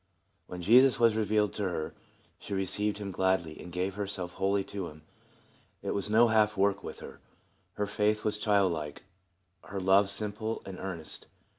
When Jesus was revealed to her she re ceived him gladly, and gave herself wholly to him. It was no half way work with her. Her faith was childlike, her love simple and ear nest.